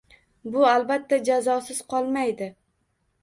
Bu albatta jazosiz qolmaydi.